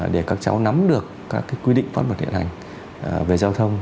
để các cháu nắm được các quy định pháp luật hiện hành về giao thông